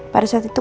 pada saat itu